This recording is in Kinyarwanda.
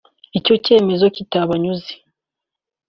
icyo cyemezo kitabanyuze